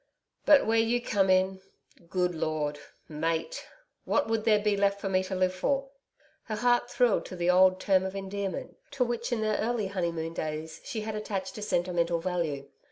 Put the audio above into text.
But where YOU come in Good Lord! Mate! What would there be left for me to live for?' Her heart thrilled to the old term of endearment, to which in their early honeymoon days she had attached a sentimental value.